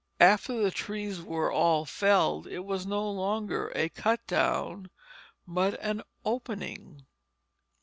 After the trees were all felled, it was no longer a "cut down" but an "opening."